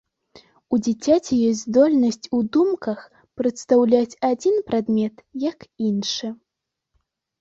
У дзіцяці ёсць здольнасць у думках прадстаўляць адзін прадмет як іншы.